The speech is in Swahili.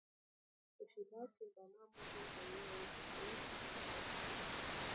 Tushi bache ba mama bo benyewe ku mashamba